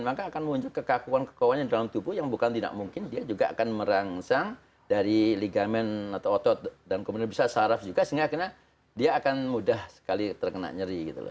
maka akan muncul kekakuan kekauannya di dalam tubuh yang bukan tidak mungkin dia juga akan merangsang dari ligamen atau otot dan kemudian bisa saraf juga sehingga akhirnya dia akan mudah sekali terkena nyeri gitu loh